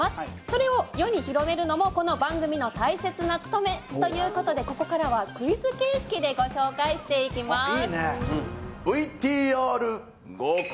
それを世に広めるのもこの番組の大切な務めということでここからはクイズ形式でご紹介していきます